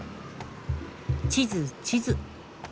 地図地図。